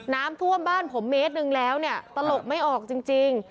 น้ำท่วมบ้านผมเมตรหนึ่งแล้วเนี่ยตลกไม่ออกจริง